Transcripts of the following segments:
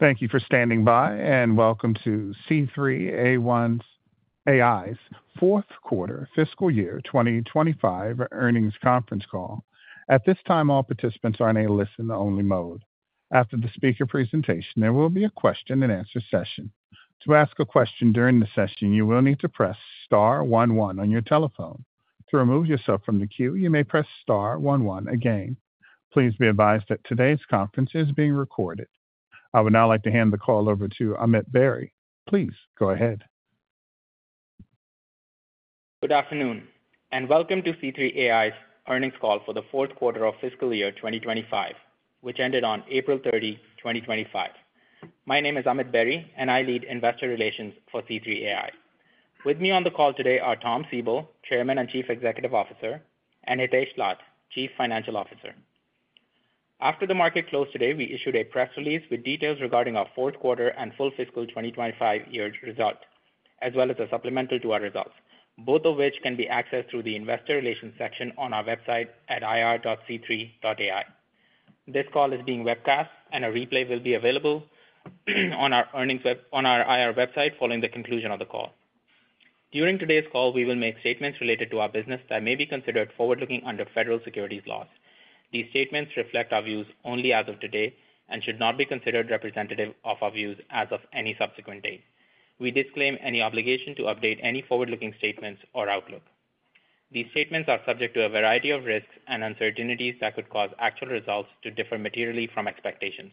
Thank you for standing by, and welcome to C3.ai's fourth quarter fiscal year 2025 earnings conference call. At this time, all participants are in a listen-only mode. After the speaker presentation, there will be a question-and-answer session. To ask a question during the session, you will need to press star 11 on your telephone. To remove yourself from the queue, you may press star 11 again. Please be advised that today's conference is being recorded. I would now like to hand the call over to Amit Berry. Please go ahead. Good afternoon, and welcome to C3.ai's earnings call for the fourth quarter of fiscal year 2025, which ended on April 30, 2025. My name is Amit Berry, and I lead investor relations for C3.ai. With me on the call today are Tom Siebel, Chairman and Chief Executive Officer, and Hitesh Lath, Chief Financial Officer. After the market closed today, we issued a press release with details regarding our fourth quarter and full fiscal 2025 year result, as well as a supplemental to our results, both of which can be accessed through the investor relations section on our website at ir.c3.ai. This call is being webcast, and a replay will be available on our IR website following the conclusion of the call. During today's call, we will make statements related to our business that may be considered forward-looking under federal securities laws. These statements reflect our views only as of today and should not be considered representative of our views as of any subsequent date. We disclaim any obligation to update any forward-looking statements or outlook. These statements are subject to a variety of risks and uncertainties that could cause actual results to differ materially from expectations.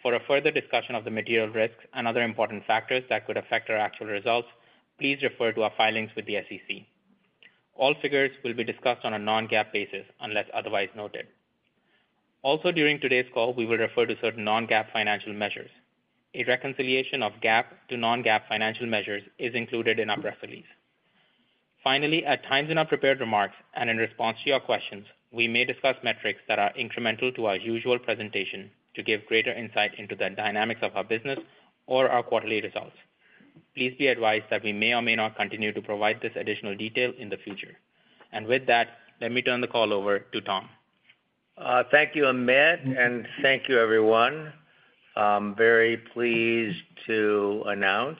For a further discussion of the material risks and other important factors that could affect our actual results, please refer to our filings with the SEC. All figures will be discussed on a non-GAAP basis unless otherwise noted. Also, during today's call, we will refer to certain non-GAAP financial measures. A reconciliation of GAAP to non-GAAP financial measures is included in our press release. Finally, at times in our prepared remarks and in response to your questions, we may discuss metrics that are incremental to our usual presentation to give greater insight into the dynamics of our business or our quarterly results. Please be advised that we may or may not continue to provide this additional detail in the future. With that, let me turn the call over to Tom. Thank you, Amit, and thank you, everyone. I'm very pleased to announce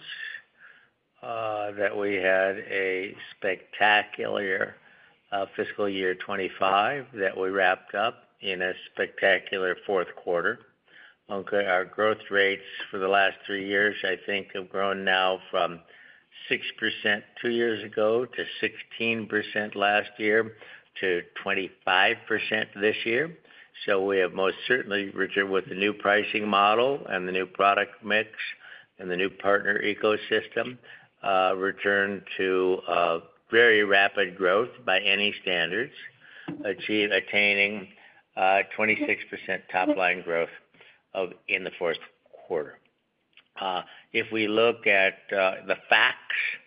that we had a spectacular fiscal year 2025, that we wrapped up in a spectacular fourth quarter. Our growth rates for the last three years, I think, have grown now from 6% two years ago to 16% last year to 25% this year. We have most certainly returned with the new pricing model and the new product mix and the new partner ecosystem, returned to very rapid growth by any standards, attaining 26% top-line growth in the fourth quarter. If we look at the facts of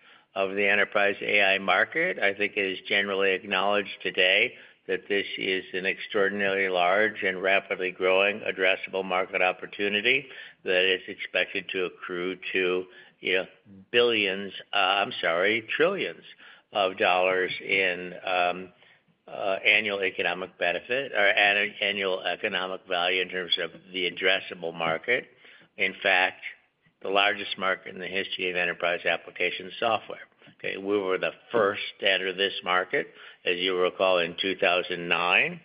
the enterprise AI market, I think it is generally acknowledged today that this is an extraordinarily large and rapidly growing addressable market opportunity that is expected to accrue to billions—I'm sorry, trillions—of dollars in annual economic benefit or annual economic value in terms of the addressable market. In fact, the largest market in the history of enterprise application software. We were the first to enter this market, as you recall, in 2009.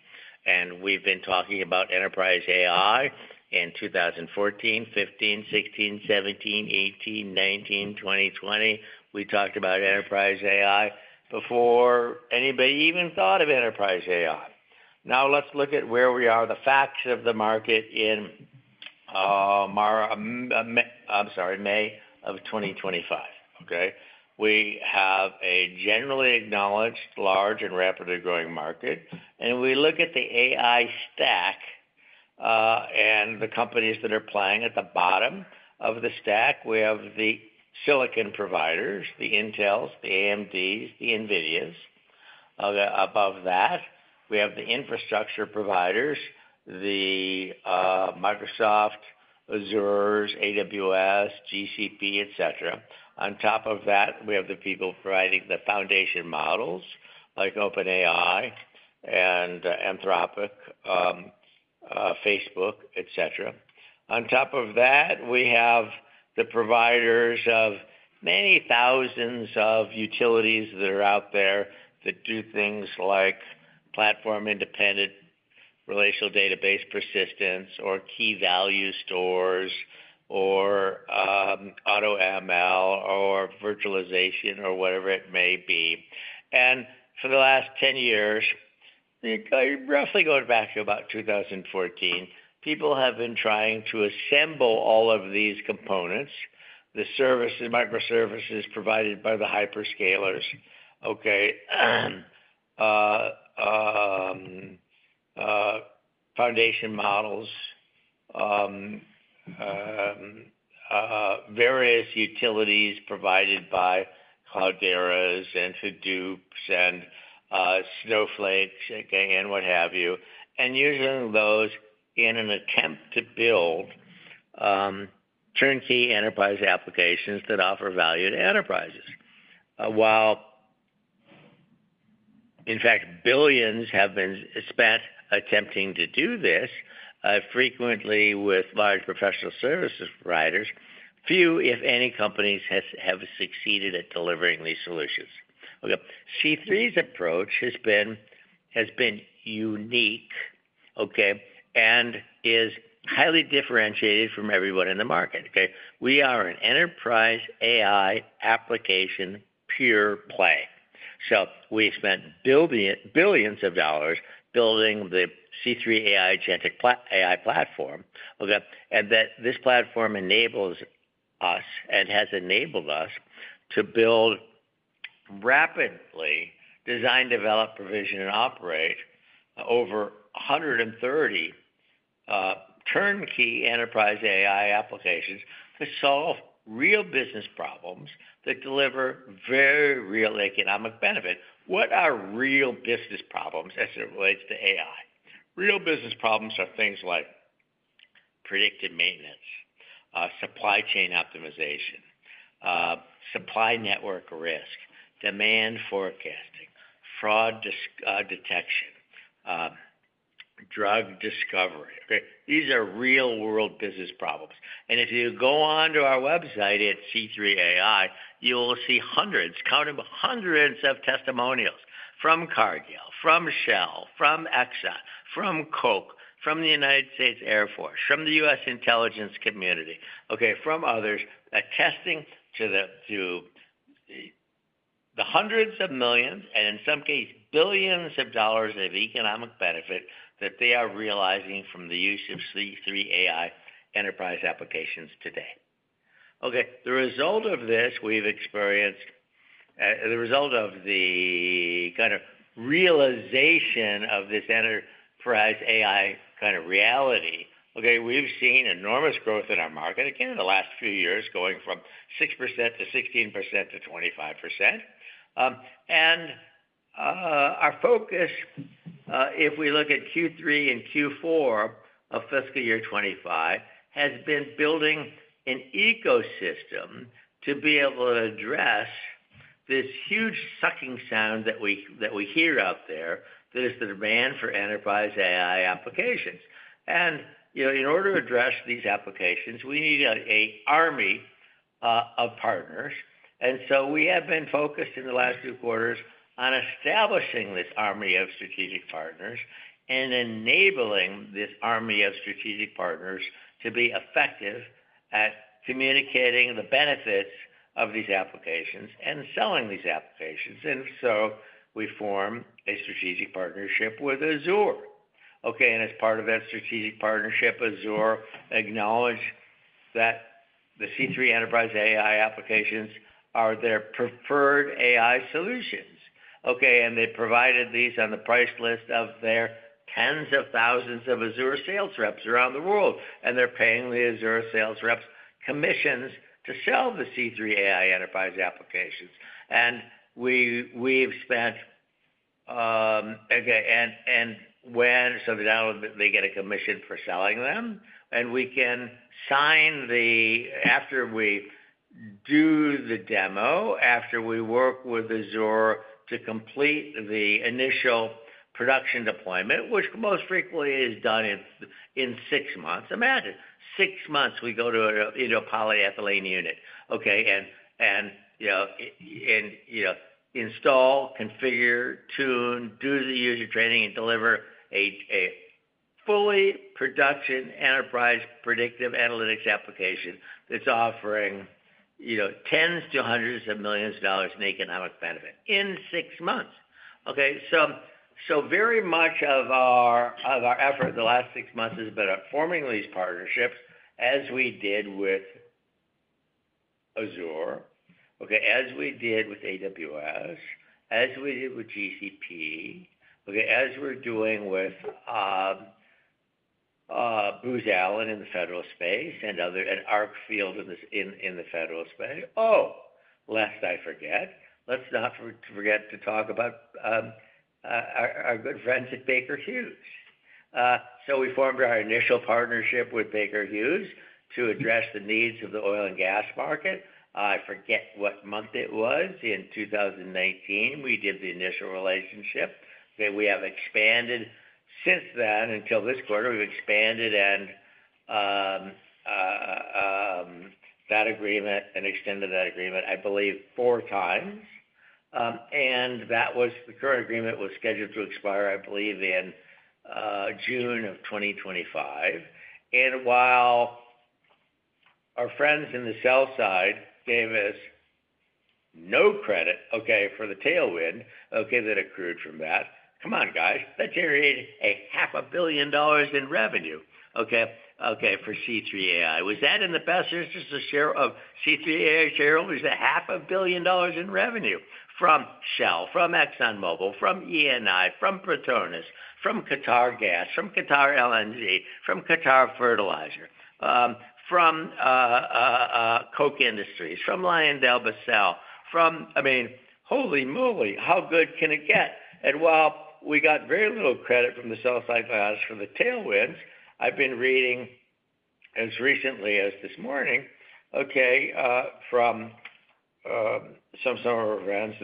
And we've been talking about enterprise AI in 2014, 2015, 2016, 2017, 2018, 2019, 2020. We talked about enterprise AI before anybody even thought of enterprise AI. Now let's look at where we are, the facts of the market in March—I'm sorry, May of 2025. We have a generally acknowledged large and rapidly growing market. And we look at the AI stack and the companies that are playing at the bottom of the stack. We have the silicon providers, the Intels, the AMDs, the NVIDIAs. Above that, we have the infrastructure providers, the Microsoft, Azure, AWS, GCP, etc. On top of that, we have the people providing the foundation models like OpenAI and Anthropic, Facebook, etc. On top of that, we have the providers of many thousands of utilities that are out there that do things like platform-independent relational database persistence or key value stores or AutoML or virtualization or whatever it may be. For the last 10 years, roughly going back to about 2014, people have been trying to assemble all of these components, the microservices provided by the hyperscalers, foundation models, various utilities provided by Clouderas and Hadoops and Snowflakes and what have you, and using those in an attempt to build turnkey enterprise applications that offer value to enterprises. While, in fact, billions have been spent attempting to do this, frequently with large professional services providers, few, if any, companies have succeeded at delivering these solutions. C3's approach has been unique and is highly differentiated from everyone in the market. We are an enterprise AI application pure play. We spent billions of dollars building the C3 AI Platform. This platform enables us and has enabled us to rapidly design, develop, provision, and operate over 130 turnkey enterprise AI applications to solve real business problems that deliver very real economic benefit. What are real business problems as it relates to AI? Real business problems are things like predictive maintenance, supply chain optimization, supply network risk, demand forecasting, fraud detection, drug discovery. These are real-world business problems. If you go on to our website at C3.ai, you will see hundreds, counting hundreds of testimonials from Cargill, from Shell, from ExxonMobil, from Koch, from the U.S. Air Force, from the U.S. Intelligence Community, from others attesting to the hundreds of millions and, in some cases, billions of dollars of economic benefit that they are realizing from the use of C3 AI enterprise applications today. The result of this we've experienced, the result of the kind of realization of this enterprise AI kind of reality, we've seen enormous growth in our market, again, in the last few years, going from 6% to 16% to 25%. Our focus, if we look at Q3 and Q4 of fiscal year 2025, has been building an ecosystem to be able to address this huge sucking sound that we hear out there that is the demand for enterprise AI applications. In order to address these applications, we need an army of partners. We have been focused in the last two quarters on establishing this army of strategic partners and enabling this army of strategic partners to be effective at communicating the benefits of these applications and selling these applications. We formed a strategic partnership with Azure. As part of that strategic partnership, Azure acknowledged that the C3 enterprise AI applications are their preferred AI solutions. They provided these on the price list of their tens of thousands of Azure sales reps around the world. They're paying the Azure sales reps commissions to sell the C3 AI enterprise applications. We've spent—when, so now they get a commission for selling them. We can sign the—after we do the demo, after we work with Azure to complete the initial production deployment, which most frequently is done in six months. Imagine, six months we go to a polyethylene unit and install, configure, tune, do the user training, and deliver a fully production enterprise predictive analytics application that's offering tens to hundreds of millions of dollars in economic benefit in six months. Very much of our effort the last six months has been at forming these partnerships as we did with Azure, as we did with AWS, as we did with GCP, as we're doing with Booz Allen in the federal space and Arcfield in the federal space. Oh, lest I forget, let's not forget to talk about our good friends at Baker Hughes. We formed our initial partnership with Baker Hughes to address the needs of the oil and gas market. I forget what month it was. In 2019, we did the initial relationship. We have expanded since then until this quarter. We've expanded that agreement and extended that agreement, I believe, four times. That was the current agreement was scheduled to expire, I believe, in June of 2025. While our friends in the sell side gave us no credit for the tailwind that occurred from that, come on, guys, that generated $500,000,000 in revenue for C3.ai. Was that in the best interest of C3.ai shareholders? $500,000,000 in revenue from Shell, from ExxonMobil, from E&I, from Petronas, from Qatar Gas, from Qatar LNG, from Qatar Fertilizer, from Koch Industries, from LyondellBasell, from—I mean, holy moly, how good can it get? While we got very little credit from the sell side for the tailwinds, I've been reading as recently as this morning from some of our friends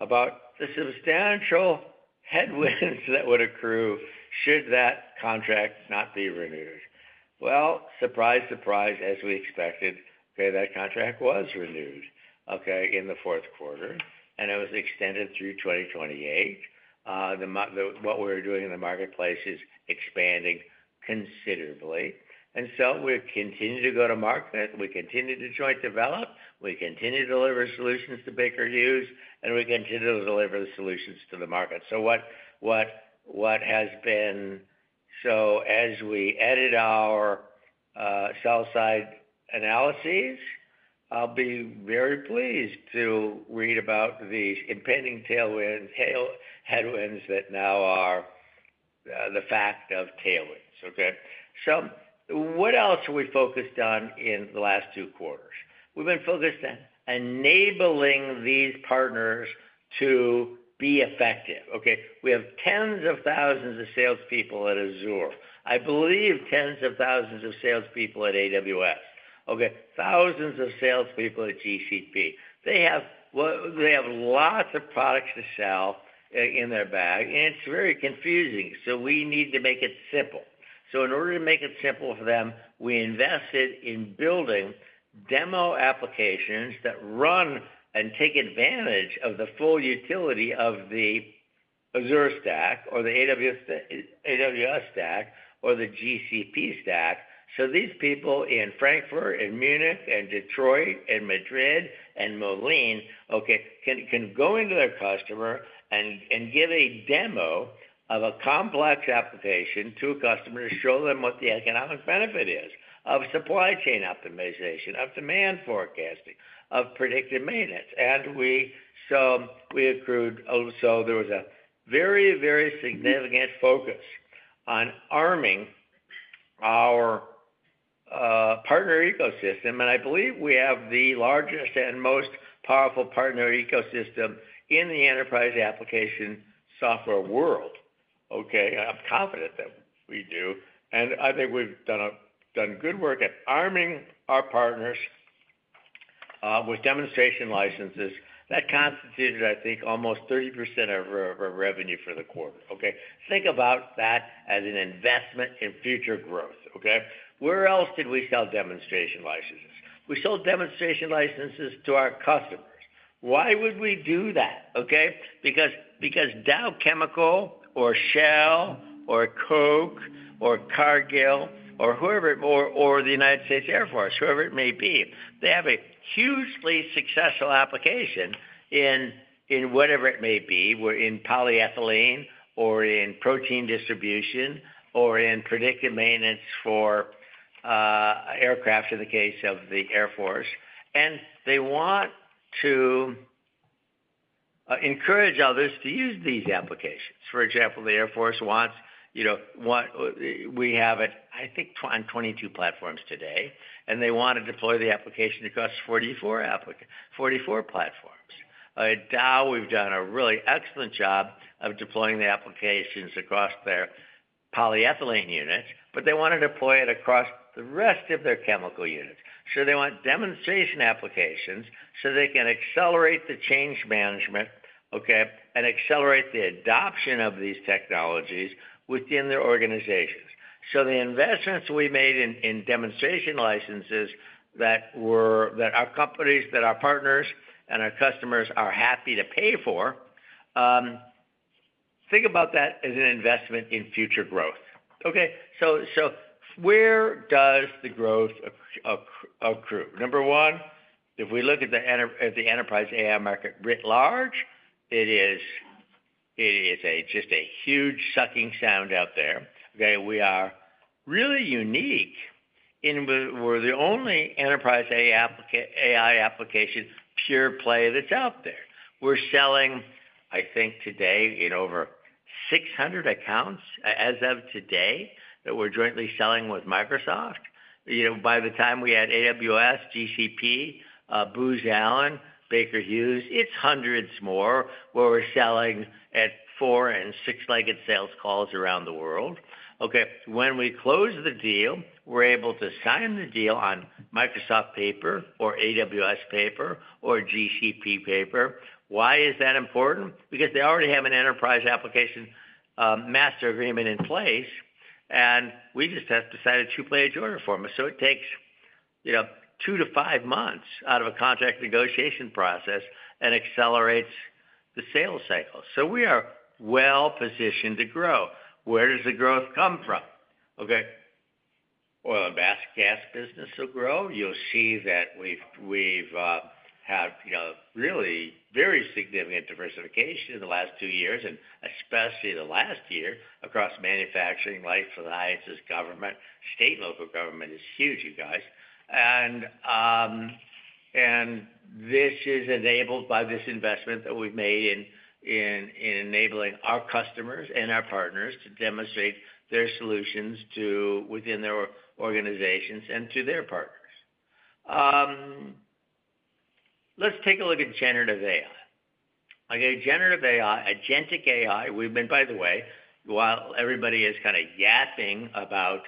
about the substantial headwinds that would accrue should that contract not be renewed. Surprise, surprise, as we expected, that contract was renewed in the fourth quarter, and it was extended through 2028. What we're doing in the marketplace is expanding considerably. We continue to go to market. We continue to joint develop. We continue to deliver solutions to Baker Hughes, and we continue to deliver the solutions to the market. What has been—as we edit our sell side analyses, I'll be very pleased to read about these impending tailwinds, headwinds that now are the fact of tailwinds. What else are we focused on in the last two quarters? We've been focused on enabling these partners to be effective. We have tens of thousands of salespeople at Azure. I believe tens of thousands of salespeople at AWS, thousands of salespeople at GCP. They have lots of products to sell in their bag, and it's very confusing. We need to make it simple. In order to make it simple for them, we invested in building demo applications that run and take advantage of the full utility of the Azure stack or the AWS stack or the GCP stack. These people in Frankfurt and Munich and Detroit and Madrid and Moline can go into their customer and give a demo of a complex application to a customer to show them what the economic benefit is of supply chain optimization, of demand forecasting, of predictive maintenance. We accrued—there was a very, very significant focus on arming our partner ecosystem. I believe we have the largest and most powerful partner ecosystem in the enterprise application software world. I'm confident that we do. I think we've done good work at arming our partners with demonstration licenses that constituted, I think, almost 30% of our revenue for the quarter. Think about that as an investment in future growth. Where else did we sell demonstration licenses? We sold demonstration licenses to our customers. Why would we do that? Because Dow or Shell or Koch or Cargill or whoever it may be or the U.S. Air Force, whoever it may be, they have a hugely successful application in whatever it may be, in polyethylene or in protein distribution or in predictive maintenance for aircraft in the case of the Air Force. They want to encourage others to use these applications. For example, the Air Force wants—we have it, I think, on 22 platforms today, and they want to deploy the application across 44 platforms. At Dow, we've done a really excellent job of deploying the applications across their polyethylene units, but they want to deploy it across the rest of their chemical units. They want demonstration applications so they can accelerate the change management and accelerate the adoption of these technologies within their organizations. The investments we made in demonstration licenses that our companies, that our partners, and our customers are happy to pay for, think about that as an investment in future growth. Where does the growth accrue? Number one, if we look at the enterprise AI market writ large, it is just a huge sucking sound out there. We are really unique. We're the only enterprise AI application pure play that's out there. We're selling, I think, today in over 600 accounts as of today that we're jointly selling with Microsoft. By the time we add AWS, GCP, Booz Allen, Baker Hughes, it's hundreds more where we're selling at four and six-legged sales calls around the world. When we close the deal, we're able to sign the deal on Microsoft paper or AWS paper or GCP paper. Why is that important? Because they already have an enterprise application master agreement in place, and we just have to sign a two-page order form. It takes two to five months out of a contract negotiation process and accelerates the sales cycle. We are well positioned to grow. Where does the growth come from? Oil and gas business will grow. You'll see that we've had really very significant diversification in the last two years, and especially the last year across manufacturing, life sciences, government, state and local government is huge, you guys. This is enabled by this investment that we've made in enabling our customers and our partners to demonstrate their solutions within their organizations and to their partners. Let's take a look at generative AI. Generative AI, agentic AI, we've been, by the way, while everybody is kind of yapping about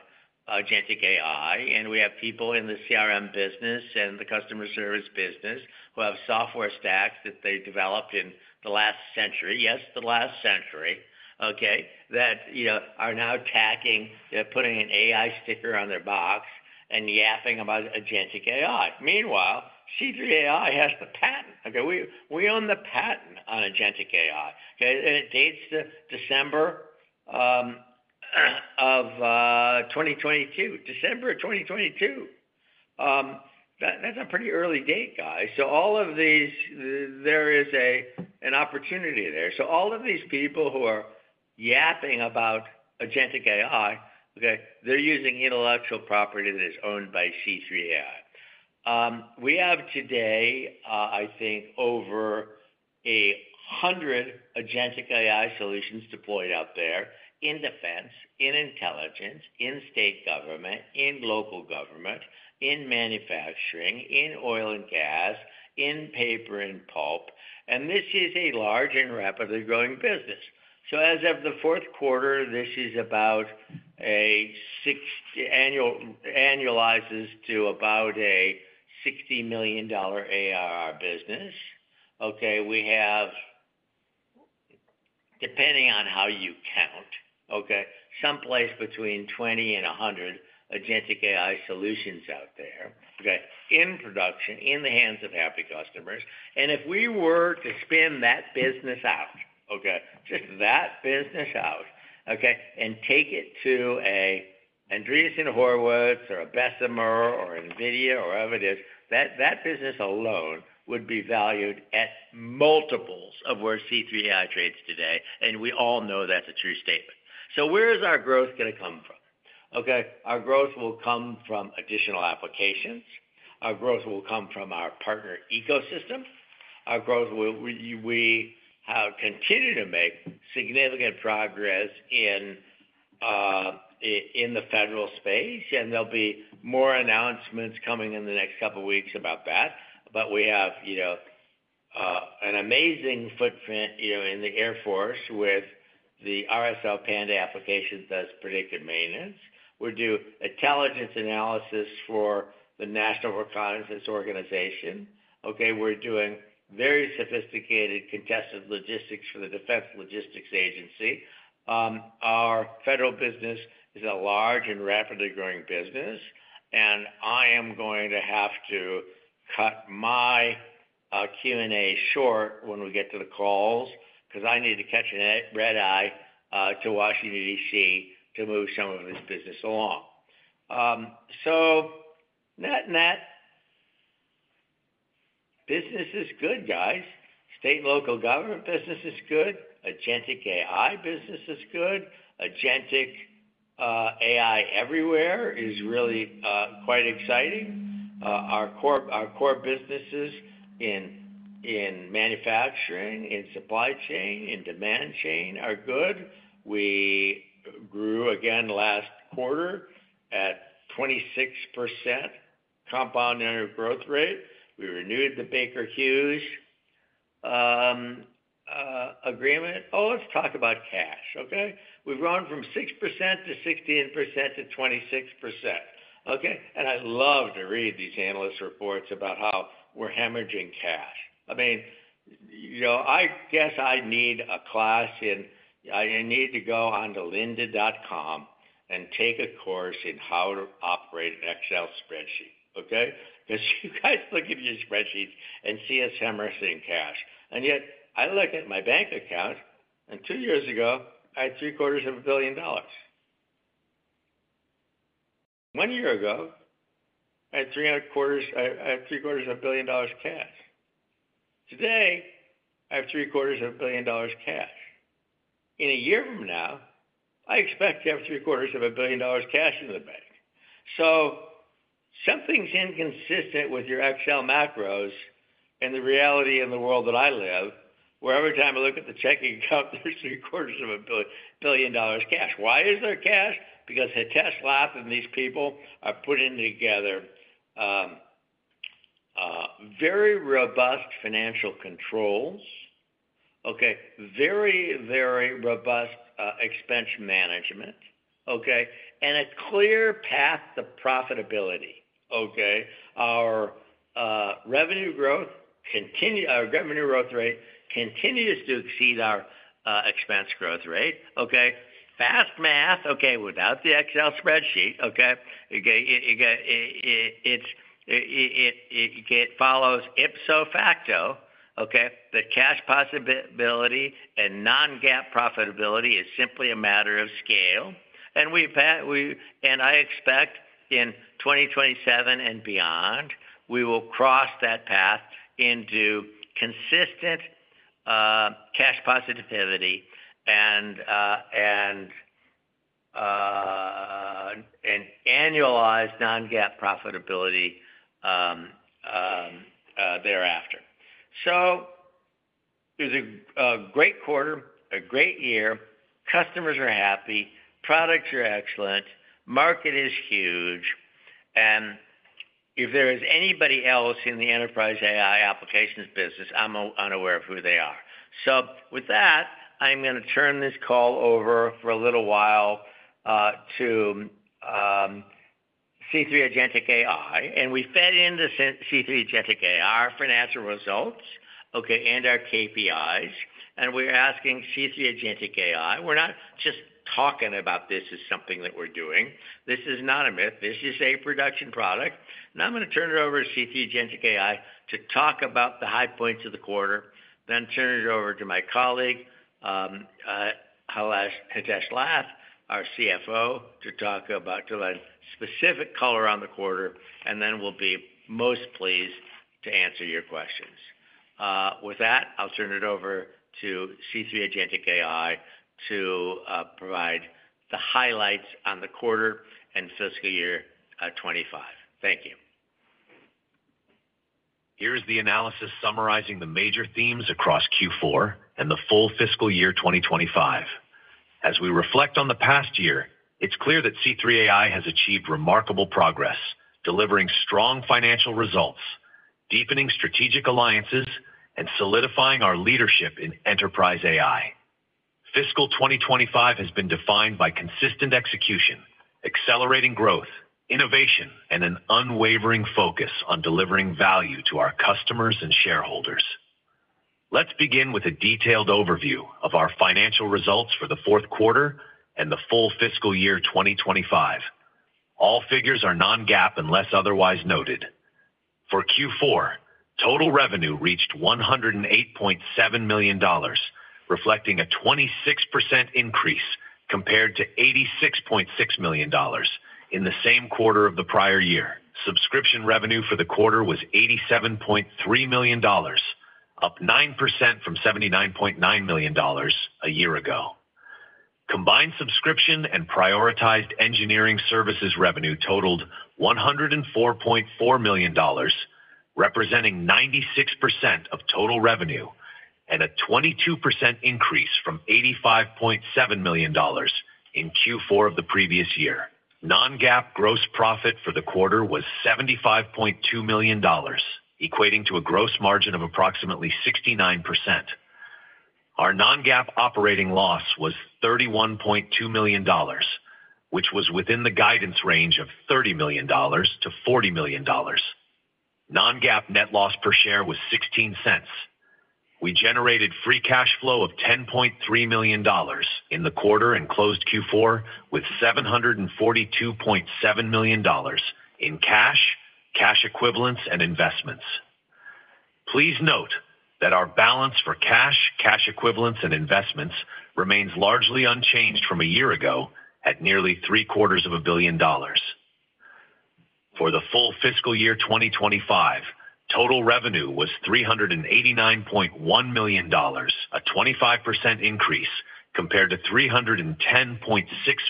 agentic AI, and we have people in the CRM business and the customer service business who have software stacks that they developed in the last century, yes, the last century, that are now tacking, putting an AI sticker on their box and yapping about agentic AI. Meanwhile, C3.ai has the patent. We own the patent on agentic AI. It dates to December of 2022, December of 2022. That's a pretty early date, guys. All of these, there is an opportunity there. All of these people who are yapping about agentic AI, they're using intellectual property that is owned by C3.ai. We have today, I think, over 100 agentic AI solutions deployed out there in defense, in intelligence, in state government, in local government, in manufacturing, in oil and gas, in paper and pulp. This is a large and rapidly growing business. As of the fourth quarter, this annualizes to about a $60 million ARR business. We have, depending on how you count, someplace between 20 and 100 agentic AI solutions out there in production, in the hands of happy customers. If we were to spin that business out, just that business out, and take it to an Andreessen Horowitz or a Bessemer or NVIDIA or whoever it is, that business alone would be valued at multiples of where C3.ai trades today. We all know that's a true statement. Where is our growth going to come from? Our growth will come from additional applications. Our growth will come from our partner ecosystem. We have continued to make significant progress in the federal space, and there will be more announcements coming in the next couple of weeks about that. We have an amazing footprint in the U.S. Air Force with the RSL Panda application that does predictive maintenance. We do intelligence analysis for the National Reconnaissance Organization. We are doing very sophisticated contested logistics for the Defense Logistics Agency. Our federal business is a large and rapidly growing business, and I am going to have to cut my Q&A short when we get to the calls because I need to catch a red eye to Washington, DC to move some of this business along. Net-net, business is good, guys. State and local government business is good. Agentic AI business is good. Agentic AI everywhere is really quite exciting. Our core businesses in manufacturing, in supply chain, in demand chain are good. We grew again last quarter at 26% compounding our growth rate. We renewed the Baker Hughes agreement. Oh, let's talk about cash. We've grown from 6% to 16% to 26%. And I love to read these analyst reports about how we're hemorrhaging cash. I mean, I guess I need a class in I need to go on to lynda.com and take a course in how to operate an Excel spreadsheet because you guys look at your spreadsheets and see us hemorrhaging cash. I look at my bank account, and two years ago, I had three-quarters of a billion dollars. One year ago, I had three-quarters of a billion dollars cash. Today, I have three-quarters of a billion dollars cash. In a year from now, I expect to have three-quarters of a billion dollars cash in the bank. Something's inconsistent with your Excel macros and the reality in the world that I live where every time I look at the checking account, there's three-quarters of a billion dollars cash. Why is there cash? Because Hitesh Lath and these people are putting together very robust financial controls, very, very robust expense management, and a clear path to profitability. Our revenue growth rate continues to exceed our expense growth rate. Fast math, without the Excel spreadsheet, it follows ipso facto that cash positivity and non-GAAP profitability is simply a matter of scale. I expect in 2027 and beyond, we will cross that path into consistent cash positivity and annualized non-GAAP profitability thereafter. It was a great quarter, a great year. Customers are happy. Products are excellent. Market is huge. If there is anybody else in the enterprise AI applications business, I'm unaware of who they are. With that, I'm going to turn this call over for a little while to C3 Agentic AI. We fed into C3 Agentic AI our financial results and our KPIs. We're asking C3 Agentic AI, we're not just talking about this as something that we're doing. This is not a myth. This is a production product. I'm going to turn it over to C3 Agentic AI to talk about the high points of the quarter, then turn it over to my colleague, Hitesh Lath, our CFO, to provide specific color on the quarter, and then we'll be most pleased to answer your questions. With that, I'll turn it over to C3 Agentic AI to provide the highlights on the quarter and fiscal year 2025. Thank you. Here is the analysis summarizing the major themes across Q4 and the full fiscal year 2025. As we reflect on the past year, it's clear that C3.ai has achieved remarkable progress, delivering strong financial results, deepening strategic alliances, and solidifying our leadership in enterprise AI. Fiscal 2025 has been defined by consistent execution, accelerating growth, innovation, and an unwavering focus on delivering value to our customers and shareholders. Let's begin with a detailed overview of our financial results for the fourth quarter and the full fiscal year 2025. All figures are non-GAAP unless otherwise noted. For Q4, total revenue reached $108.7 million, reflecting a 26% increase compared to $86.6 million in the same quarter of the prior year. Subscription revenue for the quarter was $87.3 million, up 9% from $79.9 million a year ago. Combined subscription and prioritized engineering services revenue totaled $104.4 million, representing 96% of total revenue, and a 22% increase from $85.7 million in Q4 of the previous year. Non-GAAP gross profit for the quarter was $75.2 million, equating to a gross margin of approximately 69%. Our non-GAAP operating loss was $31.2 million, which was within the guidance range of $30 million-$40 million. Non-GAAP net loss per share was $0.16. We generated free cash flow of $10.3 million in the quarter and closed Q4 with $742.7 million in cash, cash equivalents, and investments. Please note that our balance for cash, cash equivalents, and investments remains largely unchanged from a year ago at nearly three-quarters of a billion dollars. For the full fiscal year 2025, total revenue was $389.1 million, a 25% increase compared to $310.6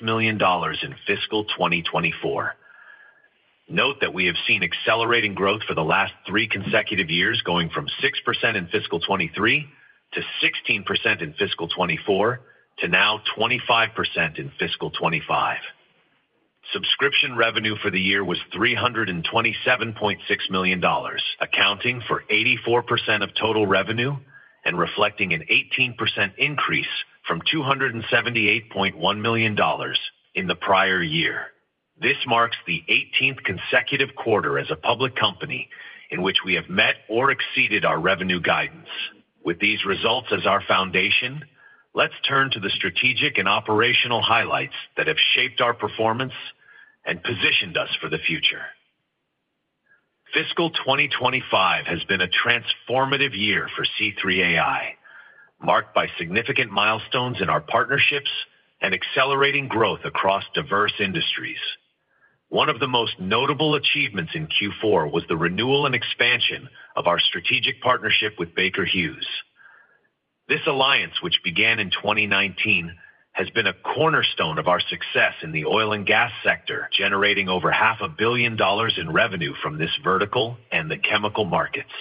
million in fiscal 2024. Note that we have seen accelerating growth for the last three consecutive years going from 6% in fiscal 2023 to 16% in fiscal 2024 to now 25% in fiscal 2025. Subscription revenue for the year was $327.6 million, accounting for 84% of total revenue and reflecting an 18% increase from $278.1 million in the prior year. This marks the 18th consecutive quarter as a public company in which we have met or exceeded our revenue guidance. With these results as our foundation, let's turn to the strategic and operational highlights that have shaped our performance and positioned us for the future. Fiscal 2025 has been a transformative year for C3.ai, marked by significant milestones in our partnerships and accelerating growth across diverse industries. One of the most notable achievements in Q4 was the renewal and expansion of our strategic partnership with Baker Hughes. This alliance, which began in 2019, has been a cornerstone of our success in the oil and gas sector, generating over $500,000,000 in revenue from this vertical and the chemical markets.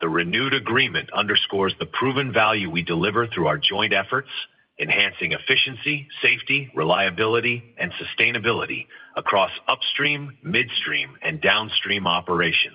The renewed agreement underscores the proven value we deliver through our joint efforts, enhancing efficiency, safety, reliability, and sustainability across upstream, midstream, and downstream operations.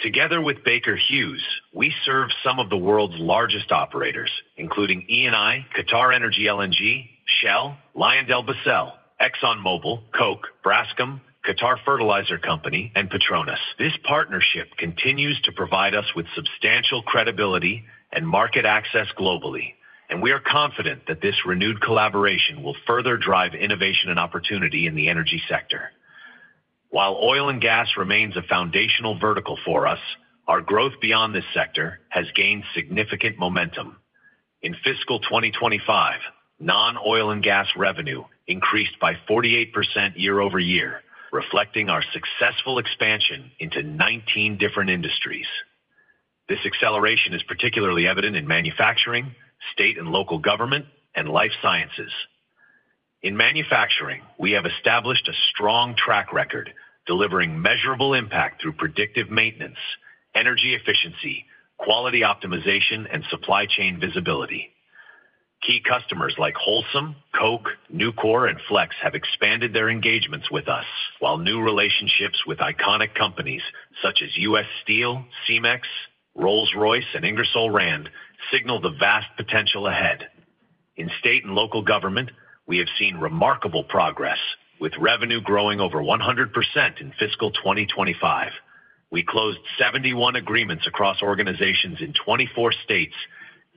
Together with Baker Hughes, we serve some of the world's largest operators, including ENI, QatarEnergy LNG, Shell, LyondellBasell, ExxonMobil, Koch, Braskem, Qatar Fertilizer Company, and Petronas. This partnership continues to provide us with substantial credibility and market access globally, and we are confident that this renewed collaboration will further drive innovation and opportunity in the energy sector. While oil and gas remains a foundational vertical for us, our growth beyond this sector has gained significant momentum. In fiscal 2025, non-oil and gas revenue increased by 48% year over year, reflecting our successful expansion into 19 different industries. This acceleration is particularly evident in manufacturing, state and local government, and life sciences. In manufacturing, we have established a strong track record, delivering measurable impact through predictive maintenance, energy efficiency, quality optimization, and supply chain visibility. Key customers like Holcim, Koch, Nucor, and Flex have expanded their engagements with us, while new relationships with iconic companies such as U.S. Steel, CMEX, Rolls-Royce, and Ingersoll Rand signal the vast potential ahead. In state and local government, we have seen remarkable progress, with revenue growing over 100% in fiscal 2025. We closed 71 agreements across organizations in 24 states,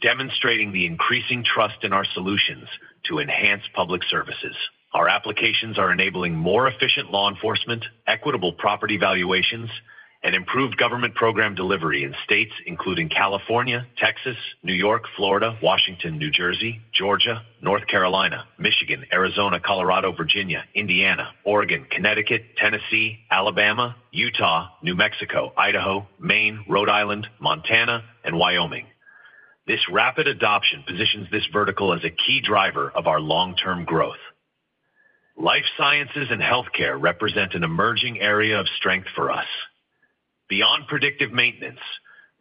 demonstrating the increasing trust in our solutions to enhance public services. Our applications are enabling more efficient law enforcement, equitable property valuations, and improved government program delivery in states including California, Texas, New York, Florida, Washington, New Jersey, Georgia, North Carolina, Michigan, Arizona, Colorado, Virginia, Indiana, Oregon, Connecticut, Tennessee, Alabama, Utah, New Mexico, Idaho, Maine, Rhode Island, Montana, and Wyoming. This rapid adoption positions this vertical as a key driver of our long-term growth. Life sciences and healthcare represent an emerging area of strength for us. Beyond predictive maintenance,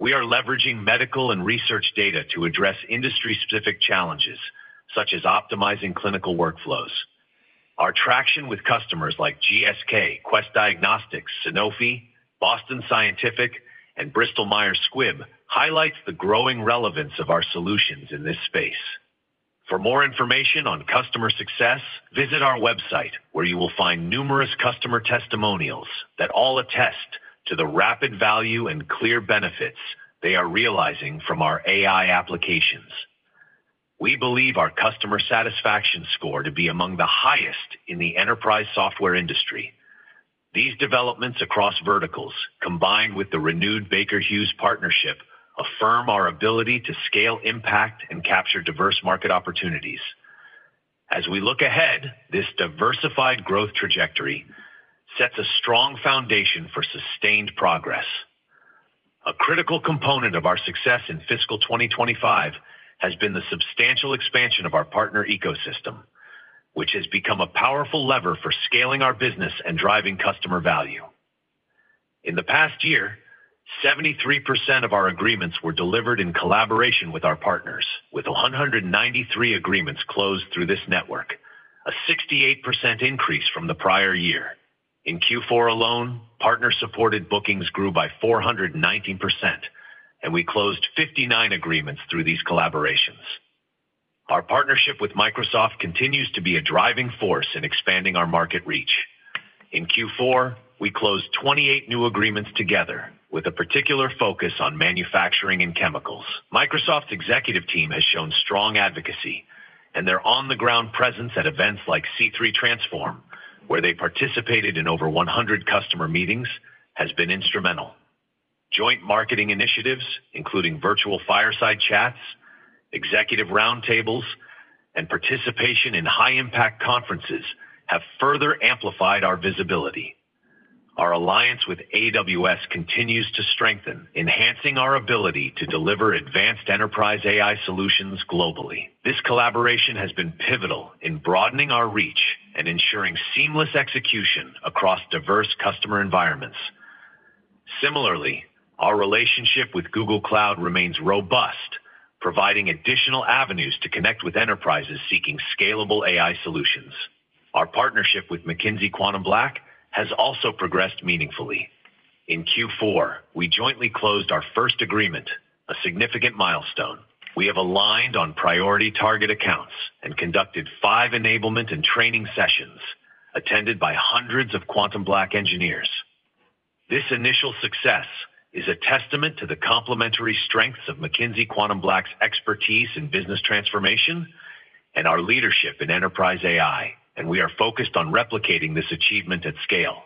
we are leveraging medical and research data to address industry-specific challenges, such as optimizing clinical workflows. Our traction with customers like GSK, Quest Diagnostics, Sanofi, Boston Scientific, and Bristol Myers Squibb highlights the growing relevance of our solutions in this space. For more information on customer success, visit our website, where you will find numerous customer testimonials that all attest to the rapid value and clear benefits they are realizing from our AI applications. We believe our customer satisfaction score to be among the highest in the enterprise software industry. These developments across verticals, combined with the renewed Baker Hughes partnership, affirm our ability to scale impact and capture diverse market opportunities. As we look ahead, this diversified growth trajectory sets a strong foundation for sustained progress. A critical component of our success in fiscal 2025 has been the substantial expansion of our partner ecosystem, which has become a powerful lever for scaling our business and driving customer value. In the past year, 73% of our agreements were delivered in collaboration with our partners, with 193 agreements closed through this network, a 68% increase from the prior year. In Q4 alone, partner-supported bookings grew by 419%, and we closed 59 agreements through these collaborations. Our partnership with Microsoft continues to be a driving force in expanding our market reach. In Q4, we closed 28 new agreements together, with a particular focus on manufacturing and chemicals. Microsoft's executive team has shown strong advocacy, and their on-the-ground presence at events like C3 Transform, where they participated in over 100 customer meetings, has been instrumental. Joint marketing initiatives, including virtual fireside chats, executive roundtables, and participation in high-impact conferences, have further amplified our visibility. Our alliance with AWS continues to strengthen, enhancing our ability to deliver advanced enterprise AI solutions globally. This collaboration has been pivotal in broadening our reach and ensuring seamless execution across diverse customer environments. Similarly, our relationship with Google Cloud remains robust, providing additional avenues to connect with enterprises seeking scalable AI solutions. Our partnership with McKinsey QuantumBlack has also progressed meaningfully. In Q4, we jointly closed our first agreement, a significant milestone. We have aligned on priority target accounts and conducted five enablement and training sessions attended by hundreds of QuantumBlack engineers. This initial success is a testament to the complementary strengths of McKinsey QuantumBlack's expertise in business transformation and our leadership in enterprise AI, and we are focused on replicating this achievement at scale.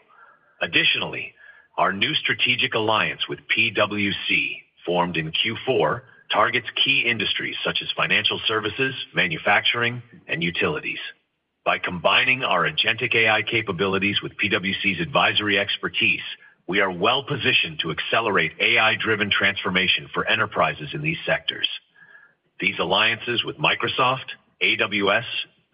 Additionally, our new strategic alliance with PwC, formed in Q4, targets key industries such as financial services, manufacturing, and utilities. By combining our agentic AI capabilities with PwC's advisory expertise, we are well-positioned to accelerate AI-driven transformation for enterprises in these sectors. These alliances with Microsoft, AWS,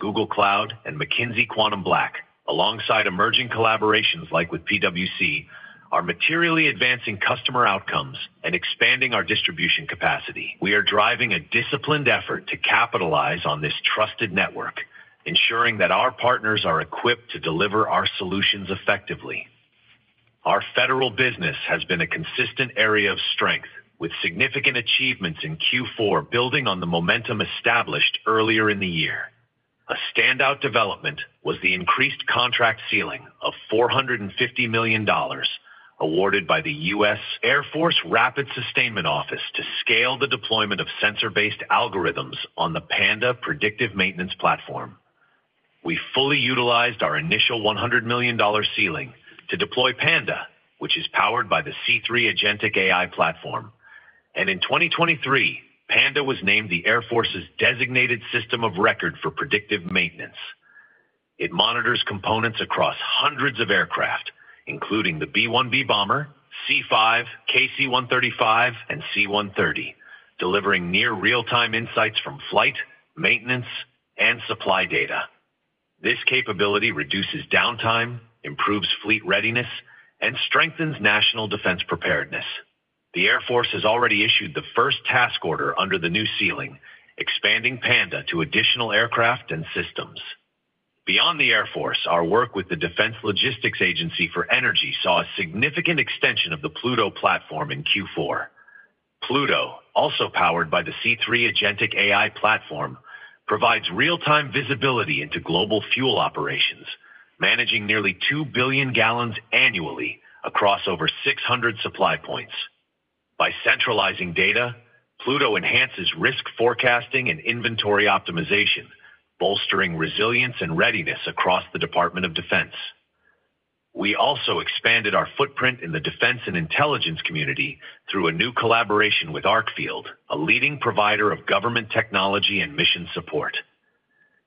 Google Cloud, and McKinsey QuantumBlack, alongside emerging collaborations like with PwC, are materially advancing customer outcomes and expanding our distribution capacity. We are driving a disciplined effort to capitalize on this trusted network, ensuring that our partners are equipped to deliver our solutions effectively. Our federal business has been a consistent area of strength, with significant achievements in Q4 building on the momentum established earlier in the year. A standout development was the increased contract ceiling of $450 million awarded by the U.S. Air Force Rapid Sustainment Office to scale the deployment of sensor-based algorithms on the Panda predictive maintenance platform. We fully utilized our initial $100 million ceiling to deploy Panda, which is powered by the C3 Agentic AI Platform, and in 2023, Panda was named the Air Force's designated system of record for predictive maintenance. It monitors components across hundreds of aircraft, including the B-1B bomber, C-5, KC-135, and C-130, delivering near real-time insights from flight, maintenance, and supply data. This capability reduces downtime, improves fleet readiness, and strengthens national defense preparedness. The Air Force has already issued the first task order under the new ceiling, expanding Panda to additional aircraft and systems. Beyond the Air Force, our work with the Defense Logistics Agency for Energy saw a significant extension of the Pluto platform in Q4. Pluto, also powered by the C3 Agentic AI Platform, provides real-time visibility into global fuel operations, managing nearly 2 billion gallons annually across over 600 supply points. By centralizing data, Pluto enhances risk forecasting and inventory optimization, bolstering resilience and readiness across the Department of Defense. We also expanded our footprint in the defense and intelligence community through a new collaboration with Arcfield, a leading provider of government technology and mission support.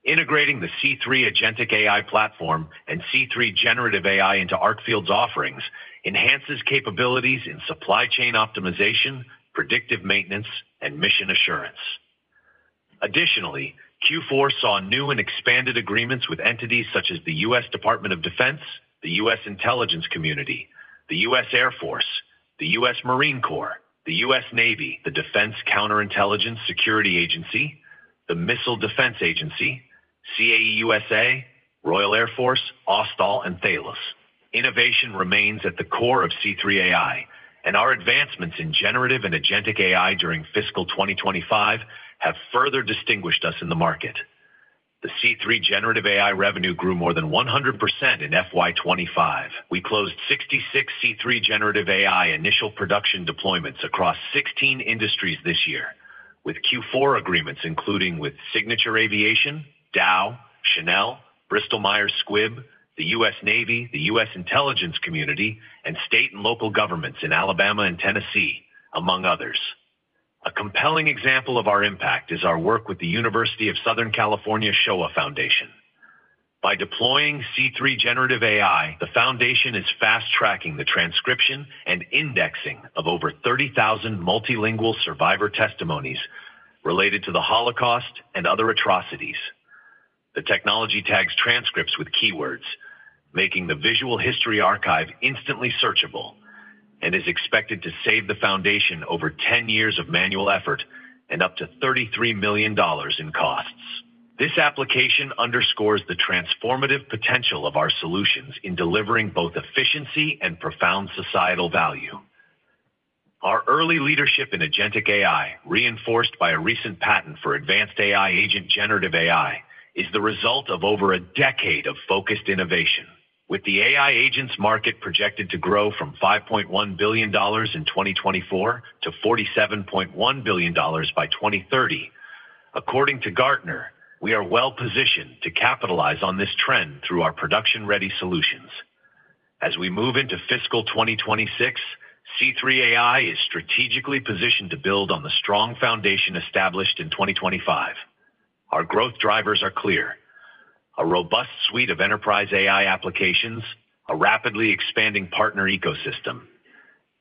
Integrating the C3 Agentic AI Platform and C3 Generative AI into Arcfield's offerings enhances capabilities in supply chain optimization, predictive maintenance, and mission assurance. Additionally, Q4 saw new and expanded agreements with entities such as the U.S. Department of Defense, the U.S. Intelligence Community, the U.S. Air Force, the U.S. Marine Corps, the U.S. Navy, the Defense Counterintelligence Security Agency, the Missile Defense Agency, CAE USA, Royal Air Force, ASTAL, and Thales. Innovation remains at the core of C3 AI, and our advancements in generative and agentic AI during fiscal 2025 have further distinguished us in the market. The C3 Generative AI revenue grew more than 100% in FY2025. We closed 66 C3 Generative AI initial production deployments across 16 industries this year, with Q4 agreements including with Signature Aviation, Dow, Chanel, Bristol Myers Squibb, the U.S. Navy, the U.S. Intelligence Community, and state and local governments in Alabama and Tennessee, among others. A compelling example of our impact is our work with the University of Southern California Shoah Foundation. By deploying C3 Generative AI, the foundation is fast-tracking the transcription and indexing of over 30,000 multilingual survivor testimonies related to the Holocaust and other atrocities. The technology tags transcripts with keywords, making the Visual History Archive instantly searchable, and is expected to save the foundation over 10 years of manual effort and up to $33 million in costs. This application underscores the transformative potential of our solutions in delivering both efficiency and profound societal value. Our early leadership in agentic AI, reinforced by a recent patent for advanced AI agent generative AI, is the result of over a decade of focused innovation, with the AI agents market projected to grow from $5.1 billion in 2024 to $47.1 billion by 2030. According to Gartner, we are well-positioned to capitalize on this trend through our production-ready solutions. As we move into fiscal 2026, C3 AI is strategically positioned to build on the strong foundation established in 2025. Our growth drivers are clear: a robust suite of enterprise AI applications, a rapidly expanding partner ecosystem,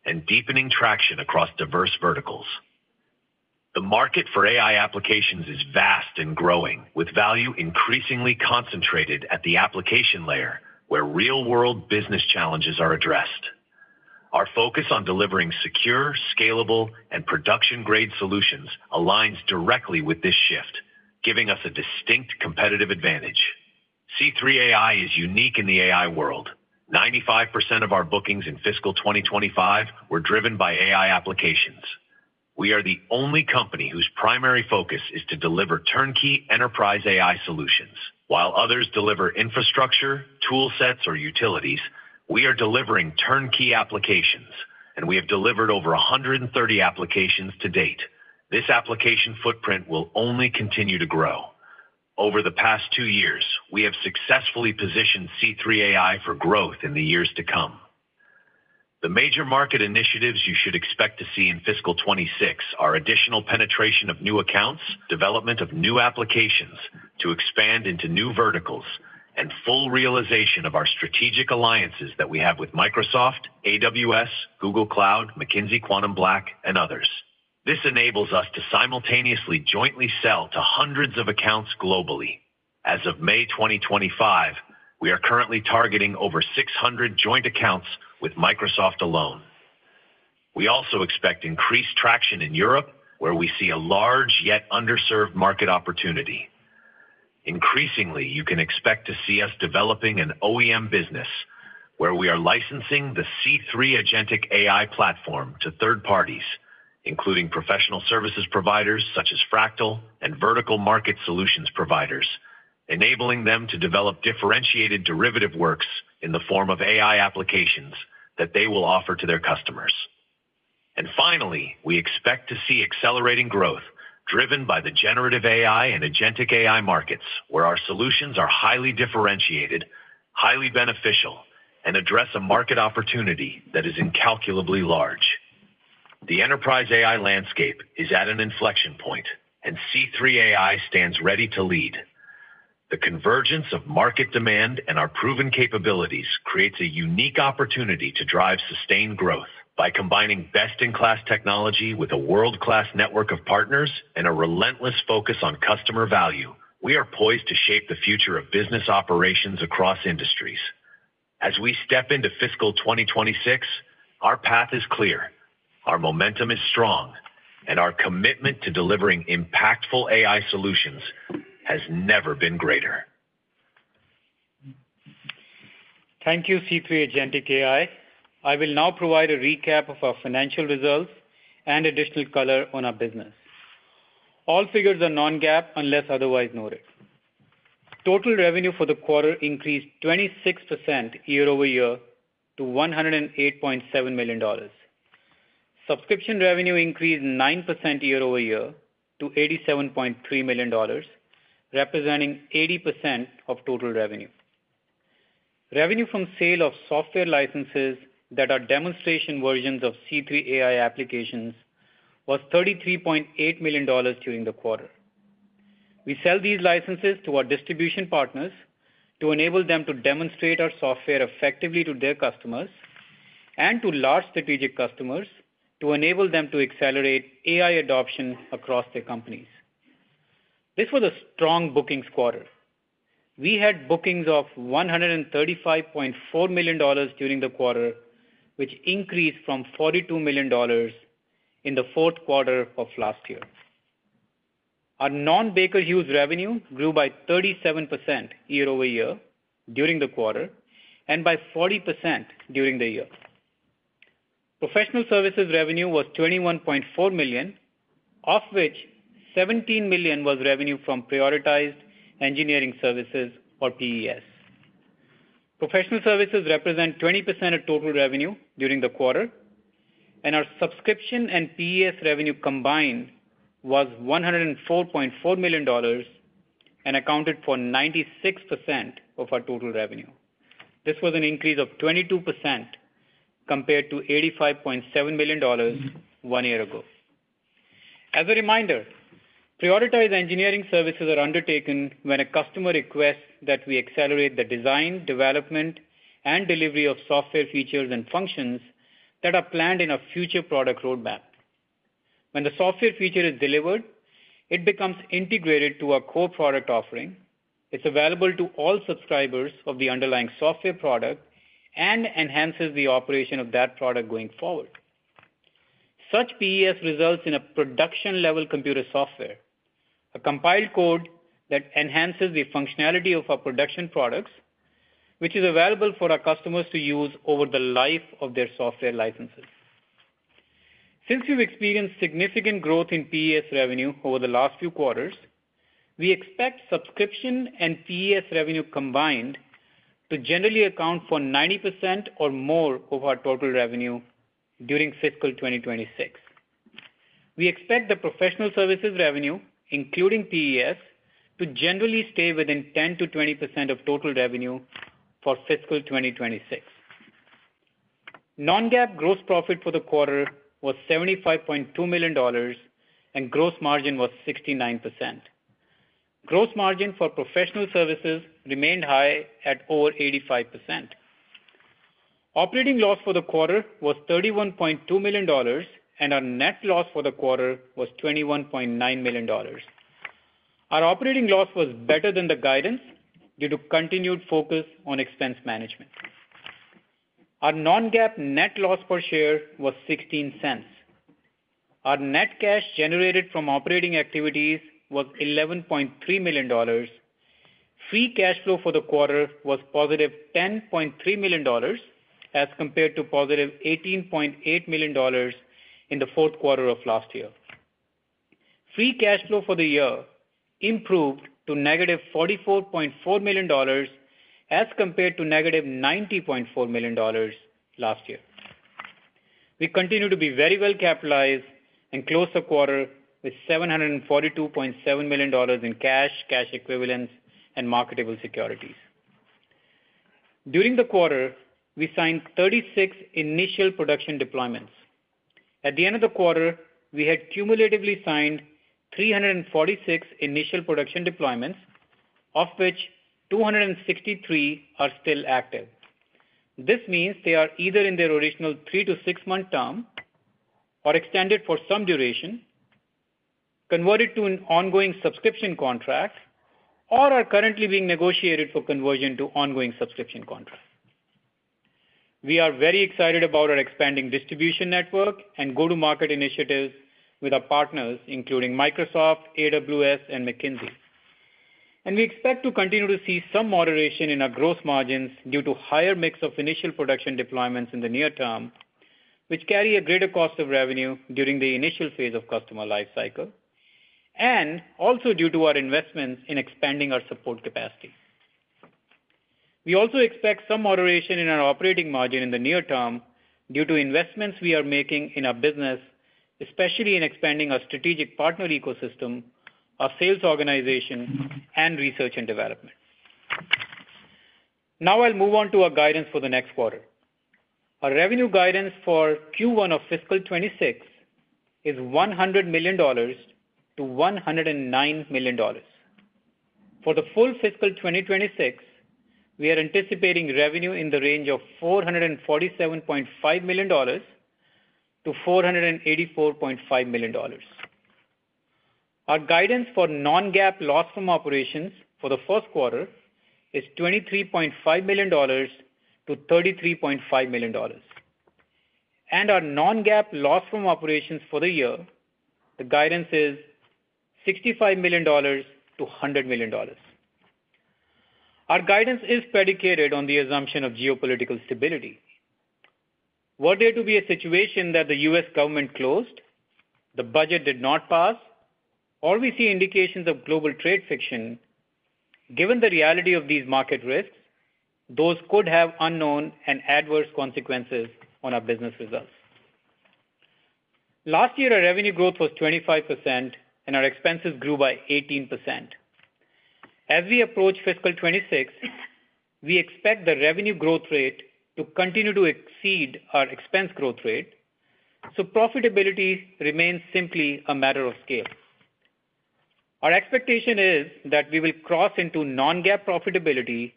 and deepening traction across diverse verticals. The market for AI applications is vast and growing, with value increasingly concentrated at the application layer, where real-world business challenges are addressed. Our focus on delivering secure, scalable, and production-grade solutions aligns directly with this shift, giving us a distinct competitive advantage. C3 AI is unique in the AI world. 95% of our bookings in fiscal 2025 were driven by AI applications. We are the only company whose primary focus is to deliver turnkey enterprise AI solutions. While others deliver infrastructure, toolsets, or utilities, we are delivering turnkey applications, and we have delivered over 130 applications to date. This application footprint will only continue to grow. Over the past two years, we have successfully positioned C3 AI for growth in the years to come. The major market initiatives you should expect to see in fiscal 2026 are additional penetration of new accounts, development of new applications to expand into new verticals, and full realization of our strategic alliances that we have with Microsoft, AWS, Google Cloud, McKinsey QuantumBlack, and others. This enables us to simultaneously jointly sell to hundreds of accounts globally. As of May 2025, we are currently targeting over 600 joint accounts with Microsoft alone. We also expect increased traction in Europe, where we see a large yet underserved market opportunity. Increasingly, you can expect to see us developing an OEM business, where we are licensing the C3 Agentic AI Platform to third parties, including professional services providers such as Fractal and vertical market solutions providers, enabling them to develop differentiated derivative works in the form of AI applications that they will offer to their customers. Finally, we expect to see accelerating growth driven by the generative AI and agentic AI markets, where our solutions are highly differentiated, highly beneficial, and address a market opportunity that is incalculably large. The enterprise AI landscape is at an inflection point, and C3 AI stands ready to lead. The convergence of market demand and our proven capabilities creates a unique opportunity to drive sustained growth by combining best-in-class technology with a world-class network of partners and a relentless focus on customer value. We are poised to shape the future of business operations across industries. As we step into fiscal 2026, our path is clear, our momentum is strong, and our commitment to delivering impactful AI solutions has never been greater. Thank you, C3 Agentic AI. I will now provide a recap of our financial results and additional color on our business. All figures are non-GAAP unless otherwise noted. Total revenue for the quarter increased 26% year-over-year to $108.7 million. Subscription revenue increased 9% year-over-year to $87.3 million, representing 80% of total revenue. Revenue from sale of software licenses that are demonstration versions of C3 AI applications was $33.8 million during the quarter. We sell these licenses to our distribution partners to enable them to demonstrate our software effectively to their customers and to large strategic customers to enable them to accelerate AI adoption across their companies. This was a strong bookings quarter. We had bookings of $135.4 million during the quarter, which increased from $42 million in the fourth quarter of last year. Our non-Baker Hughes revenue grew by 37% year-over-year during the quarter and by 40% during the year. Professional services revenue was $21.4 million, of which $17 million was revenue from Prioritized Engineering Services or PES. Professional services represent 20% of total revenue during the quarter, and our subscription and PES revenue combined was $104.4 million and accounted for 96% of our total revenue. This was an increase of 22% compared to $85.7 million one year ago. As a reminder, prioritized engineering services are undertaken when a customer requests that we accelerate the design, development, and delivery of software features and functions that are planned in a future product roadmap. When the software feature is delivered, it becomes integrated to our core product offering. It's available to all subscribers of the underlying software product and enhances the operation of that product going forward. Such PES results in a production-level computer software, a compiled code that enhances the functionality of our production products, which is available for our customers to use over the life of their software licenses. Since we've experienced significant growth in PES revenue over the last few quarters, we expect subscription and PES revenue combined to generally account for 90% or more of our total revenue during fiscal 2026. We expect the professional services revenue, including PES, to generally stay within 10%-20% of total revenue for fiscal 2026. Non-GAAP gross profit for the quarter was $75.2 million, and gross margin was 69%. Gross margin for professional services remained high at over 85%. Operating loss for the quarter was $31.2 million, and our net loss for the quarter was $21.9 million. Our operating loss was better than the guidance due to continued focus on expense management. Our non-GAAP net loss per share was $0.16. Our net cash generated from operating activities was $11.3 million. Free cash flow for the quarter was positive $10.3 million as compared to positive $18.8 million in the fourth quarter of last year. Free cash flow for the year improved to negative $44.4 million as compared to negative $90.4 million last year. We continue to be very well capitalized and closed the quarter with $742.7 million in cash, cash equivalents, and marketable securities. During the quarter, we signed 36 initial production deployments. At the end of the quarter, we had cumulatively signed 346 initial production deployments, of which 263 are still active. This means they are either in their original three- to six-month term or extended for some duration, converted to an ongoing subscription contract, or are currently being negotiated for conversion to ongoing subscription contract. We are very excited about our expanding distribution network and go-to-market initiatives with our partners, including Microsoft, AWS, and McKinsey. We expect to continue to see some moderation in our gross margins due to higher mix of initial production deployments in the near term, which carry a greater cost of revenue during the initial phase of customer lifecycle, and also due to our investments in expanding our support capacity. We also expect some moderation in our operating margin in the near term due to investments we are making in our business, especially in expanding our strategic partner ecosystem, our sales organization, and research and development. Now I'll move on to our guidance for the next quarter. Our revenue guidance for Q1 of fiscal 2026 is $100 million-$109 million. For the full fiscal 2026, we are anticipating revenue in the range of $447.5 million-$484.5 million. Our guidance for non-GAAP loss from operations for the first quarter is $23.5 million-$33.5 million. Our non-GAAP loss from operations for the year, the guidance is $65 million-$100 million. Our guidance is predicated on the assumption of geopolitical stability. Were there to be a situation that the U.S. government closed, the budget did not pass, or we see indications of global trade friction, given the reality of these market risks, those could have unknown and adverse consequences on our business results. Last year, our revenue growth was 25%, and our expenses grew by 18%. As we approach fiscal 2026, we expect the revenue growth rate to continue to exceed our expense growth rate, so profitability remains simply a matter of scale. Our expectation is that we will cross into non-GAAP profitability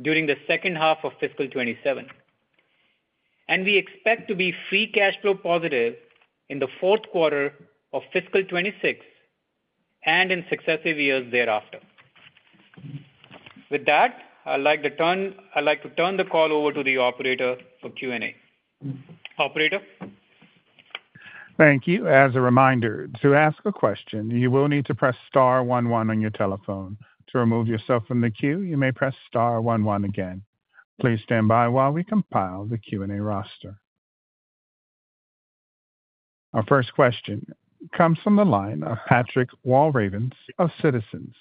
during the second half of fiscal 2027, and we expect to be free cash flow positive in the fourth quarter of fiscal 2026 and in successive years thereafter. With that, I'd like to turn the call over to the operator for Q&A. Operator. Thank you. As a reminder, to ask a question, you will need to press star 11 on your telephone. To remove yourself from the queue, you may press star 11 again. Please stand by while we compile the Q&A roster. Our first question comes from the line of Patrick Walravens of Citizens.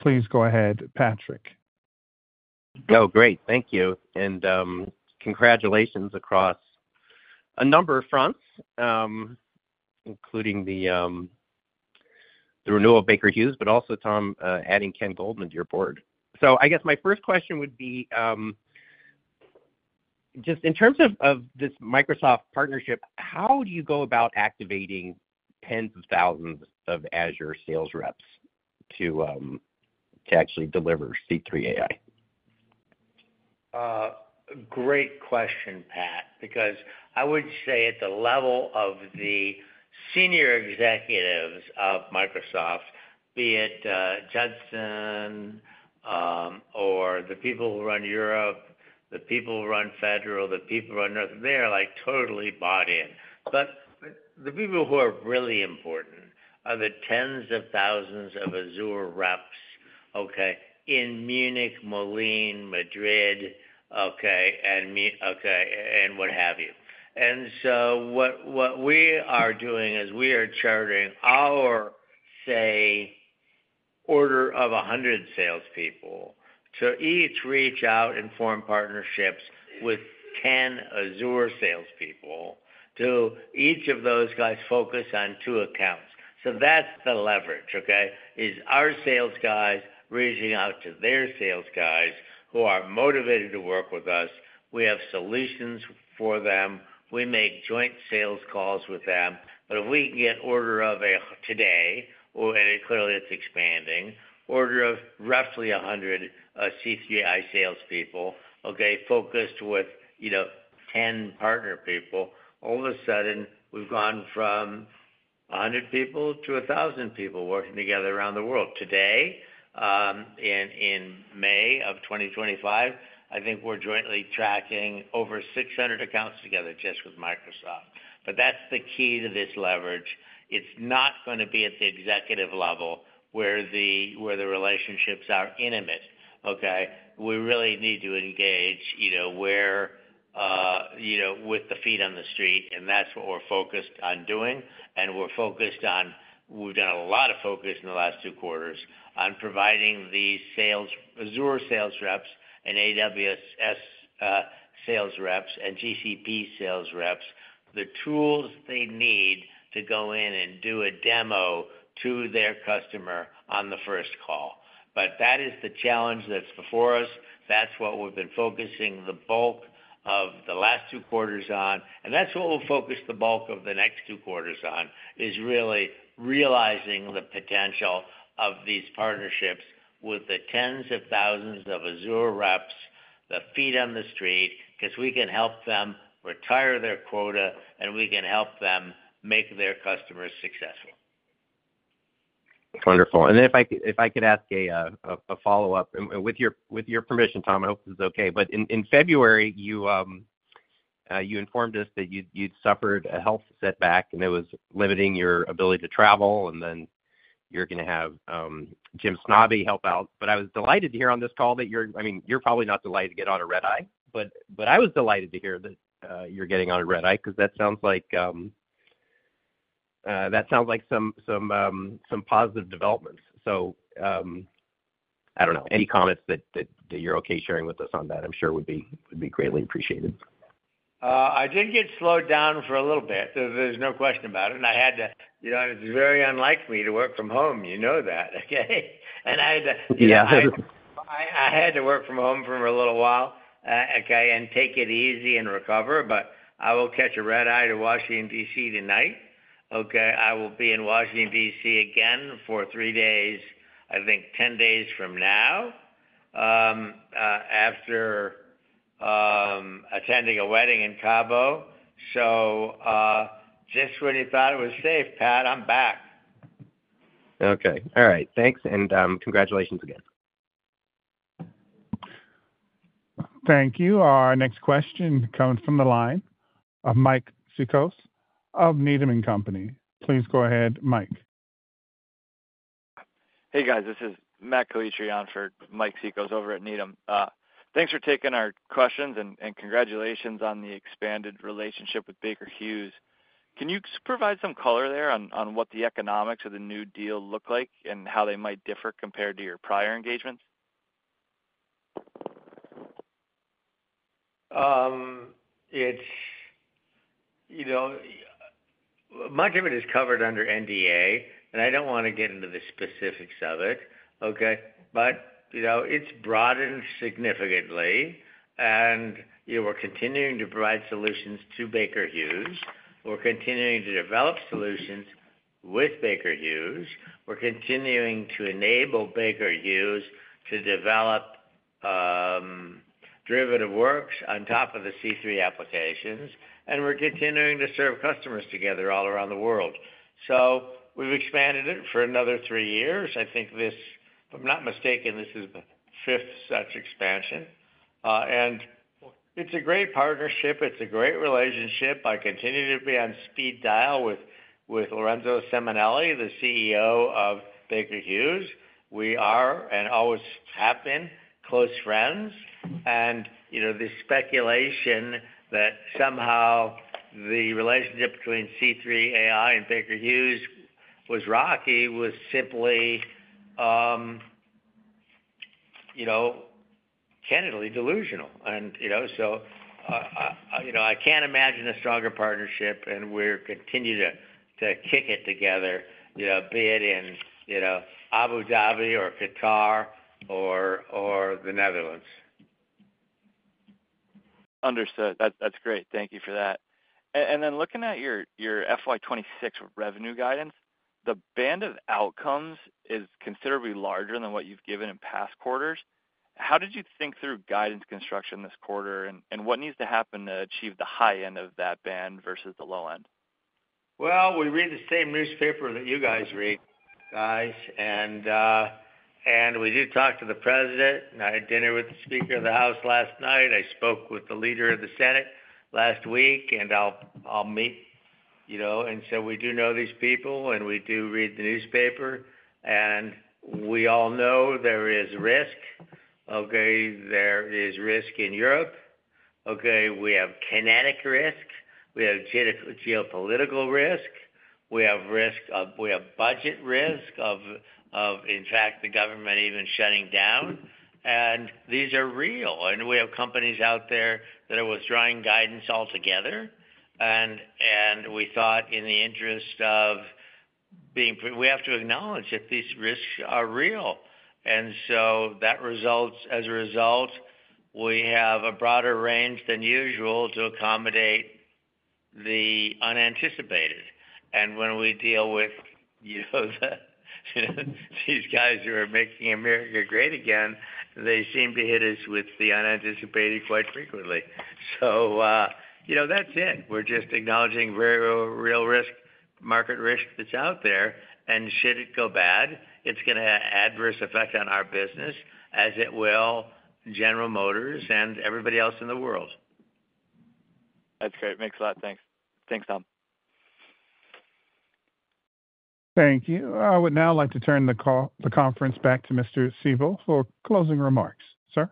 Please go ahead, Patrick. Oh, great. Thank you. And congratulations across a number of fronts, including the renewal of Baker Hughes, but also, Tom, adding Ken Goldman to your board. I guess my first question would be, just in terms of this Microsoft partnership, how do you go about activating tens of thousands of Azure sales reps to actually deliver C3 AI? Great question, Pat, because I would say at the level of the senior executives of Microsoft, be it Judson or the people who run Europe, the people who run Federal, the people who run North, they are totally bought in. The people who are really important are the tens of thousands of Azure reps, okay, in Munich, Moline, Madrid, okay, and what have you. What we are doing is we are charting our, say, order of 100 salespeople to each reach out and form partnerships with 10 Azure salespeople to each of those guys focus on two accounts. That is the leverage, okay, is our sales guys reaching out to their sales guys who are motivated to work with us. We have solutions for them. We make joint sales calls with them. If we can get order of a today, or clearly it's expanding, order of roughly 100 C3 AI salespeople, okay, focused with 10 partner people, all of a sudden, we've gone from 100 people to 1,000 people working together around the world. Today, in May of 2025, I think we're jointly tracking over 600 accounts together just with Microsoft. That's the key to this leverage. It's not going to be at the executive level where the relationships are intimate, okay? We really need to engage with the feet on the street, and that's what we're focused on doing. We're focused on, we've done a lot of focus in the last two quarters on providing the Azure sales reps and AWS sales reps and GCP sales reps the tools they need to go in and do a demo to their customer on the first call. That is the challenge that's before us. That's what we've been focusing the bulk of the last two quarters on. That's what we'll focus the bulk of the next two quarters on, is really realizing the potential of these partnerships with the tens of thousands of Azure reps, the feet on the street, because we can help them retire their quota, and we can help them make their customers successful. Wonderful. If I could ask a follow-up, with your permission, Tom, I hope this is okay, but in February, you informed us that you'd suffered a health setback, and it was limiting your ability to travel, and then you were going to have Jim Snabe help out. I was delighted to hear on this call that you're, I mean, you're probably not delighted to get on a red eye, but I was delighted to hear that you're getting on a red eye because that sounds like some positive developments. I don't know, any comments that you're okay sharing with us on that, I'm sure would be greatly appreciated. I did get slowed down for a little bit. There's no question about it. I had to, it's very unlike me to work from home. You know that, okay? I had to. Yeah. I had to work from home for a little while, okay, and take it easy and recover, but I will catch a red eye to Washington, DC tonight. I will be in Washington, DC again for three days, I think 10 days from now, after attending a wedding in Cabo. Just when you thought it was safe, Pat, I'm back. Okay. All right. Thanks, and congratulations again. Thank you. Our next question comes from the line of Mike Siekos of Needham & Company. Please go ahead, Mike. Hey, guys. This is Matt Kalicher-Janfert, Mike Siekos over at Needham. Thanks for taking our questions, and congratulations on the expanded relationship with Baker Hughes. Can you provide some color there on what the economics of the new deal look like and how they might differ compared to your prior engagements? My company is covered under NDA, and I don't want to get into the specifics of it, okay? It's broadened significantly, and we're continuing to provide solutions to Baker Hughes. We're continuing to develop solutions with Baker Hughes. We're continuing to enable Baker Hughes to develop derivative works on top of the C3 applications, and we're continuing to serve customers together all around the world. We have expanded it for another three years. I think this, if I'm not mistaken, is the fifth such expansion. It's a great partnership. It's a great relationship. I continue to be on speed dial with Lorenzo Simonelli, the CEO of Baker Hughes. We are and always have been close friends. The speculation that somehow the relationship between C3 AI and Baker Hughes was rocky was simply, candidly, delusional. I can't imagine a stronger partnership, and we're continuing to kick it together, be it in Abu Dhabi or Qatar or the Netherlands. Understood. That's great. Thank you for that. Looking at your FY2026 revenue guidance, the band of outcomes is considerably larger than what you've given in past quarters. How did you think through guidance construction this quarter, and what needs to happen to achieve the high end of that band versus the low end? We read the same newspaper that you guys read, guys. We did talk to the president, and I had dinner with the Speaker of the House last night. I spoke with the leader of the Senate last week, and I'll meet. We do know these people, and we do read the newspaper. We all know there is risk. There is risk in Europe. We have kinetic risk. We have geopolitical risk. We have budget risk of, in fact, the government even shutting down. These are real. We have companies out there that are withdrawing guidance altogether. We thought in the interest of being, we have to acknowledge that these risks are real. As a result, we have a broader range than usual to accommodate the unanticipated. When we deal with these guys who are making America great again, they seem to hit us with the unanticipated quite frequently. That is it. We are just acknowledging very real risk, market risk that is out there. Should it go bad, it is going to have an adverse effect on our business, as it will General Motors and everybody else in the world. That is great. Makes a lot of sense. Thanks, Tom. Thank you. I would now like to turn the conference back to Mr. Siebel for closing remarks. Sir?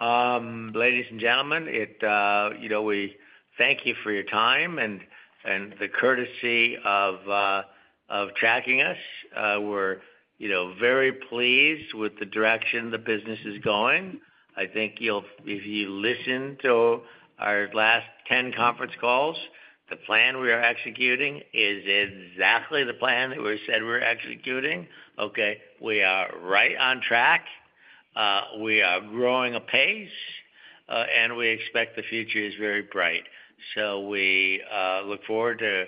Ladies and gentlemen, we thank you for your time and the courtesy of tracking us. We're very pleased with the direction the business is going. I think if you listen to our last 10 conference calls, the plan we are executing is exactly the plan that we said we're executing. Okay, we are right on track. We are growing a pace, and we expect the future is very bright. We look forward to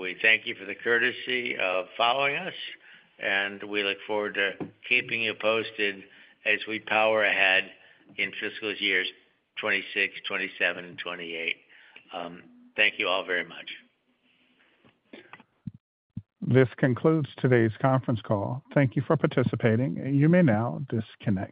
we thank you for the courtesy of following us, and we look forward to keeping you posted as we power ahead in fiscal years 2026, 2027, and 2028. Thank you all very much. This concludes today's conference call. Thank you for participating. You may now disconnect.